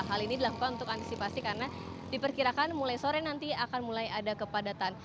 hal ini dilakukan untuk antisipasi karena diperkirakan mulai sore nanti akan mulai ada kepadatan